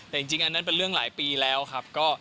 แต่จริงอันนั้นเป็นเรื่องหลายปีแล้วครับ